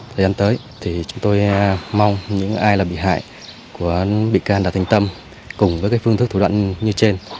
thời gian tới thì chúng tôi mong những ai là bị hại của bị can đào thanh tâm cùng với phương thức thủ đoạn như trên